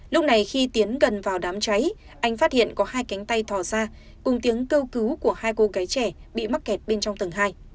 lúc này khi tiến gần vào đám cháy anh phát hiện có hai cánh tay thò xa cùng tiếng kêu cứu của hai cô gái trẻ bị mắc kẹt bên trong tầng hai